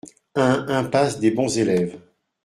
un impasse des Bons Eleves